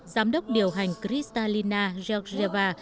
giám đốc điều hành kristalina georgieva